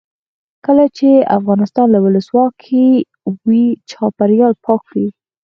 کله چې افغانستان کې ولسواکي وي چاپیریال پاک وي.